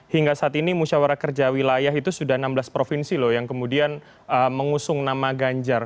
hingga saat ini musyawarah kerja wilayah itu sudah enam belas provinsi loh yang kemudian mengusung nama ganjar